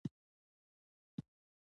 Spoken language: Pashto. ځکه پر ادب باندې خو د ښځې تسلط نه و